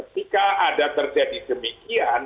jika ada terjadi demikian